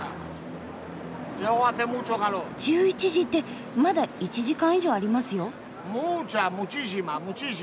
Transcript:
１１時ってまだ１時間以上ありますよ。